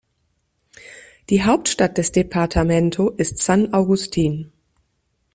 Die Hauptstadt des Departamento ist San Agustín.